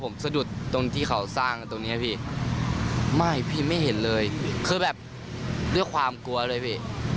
ไม่พี่ไม่เห็นเลยคือแบบด้วยความกลัวเลยพี่